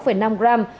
hơn sáu năm gram